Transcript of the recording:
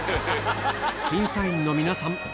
審査員の皆さん